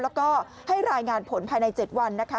แล้วก็ให้รายงานผลภายใน๗วันนะคะ